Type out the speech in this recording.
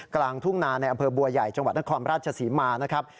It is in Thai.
กลางทุ่งนาในอำเภอบัวใหญ่จังหวัดนครราชศรีมานะครับ